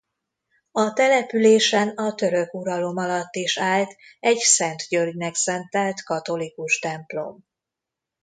A településen a török uralom alatt is állt egy Szent Györgynek szentelt katolikus templom.